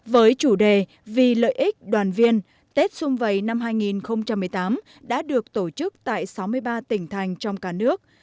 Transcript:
với chủ đề vì lợi ích đoàn viên tết xuân vầy năm hai nghìn một mươi tám đã được tổ chức tại sáu mươi ba tỉnh thành trong cả nước